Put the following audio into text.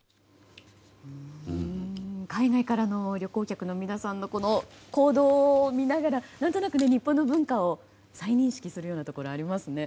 海外からの旅行客の皆さんの行動を見ながら何となく日本の文化を再認識するようなところありますね。